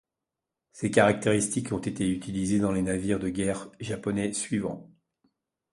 Ses caractéristiques ont été utilisés dans les navires de guerre japonais suivants.